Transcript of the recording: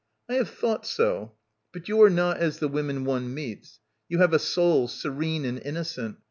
"I have thought so. But you are not as the women one meets. You have a soul serene and innocent.